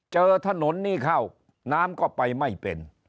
เจอถนนนี่เข้าน้ำก็ไปไม่เป็น